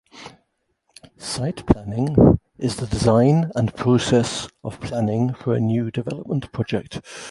Site planning is the design and process of planning for a new development project.